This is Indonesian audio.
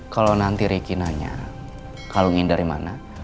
kalau nanti ricky nanya kalung ini dari mana